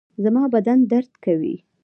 زما بدن درد کوي